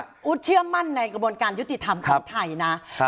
สามารถคุณอู๋เชื่อมั่นในกระบวนการยุติธรรมของไทยนะ